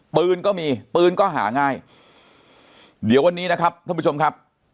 ปืนก็มีปืนก็หาง่ายเดี๋ยววันนี้นะครับท่านผู้ชมครับ